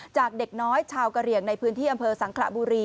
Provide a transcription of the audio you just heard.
จากเด็กน้อยชาวกะเหลี่ยงในพื้นที่อำเภอสังขระบุรี